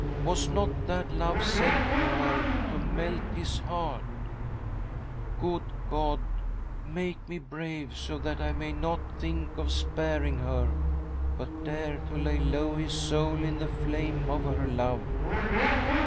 was not that love sent to her to melt his heart. ? Good God, make me brave, so that I may ioo THY SOUL SHALLfBEAR WITNESS ! not think of sparing her, but dare to lay low his soul in the flame of her love !